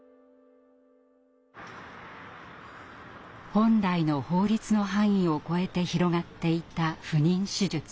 本来の法律の範囲をこえて広がっていた不妊手術。